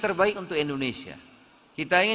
terbaik untuk indonesia kita ini